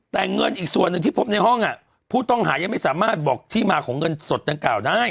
แต่เงินอีกส่วนหนึ่งที่พบในห้องผู้ต้องหายังไม่สามารถบอกที่มาของเงินสดดังกล่าวได้